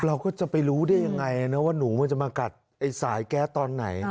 เราก็จะไปรู้ได้ยังไงนะว่าหนูมันจะมากัดไอ้สายแก๊สตอนไหน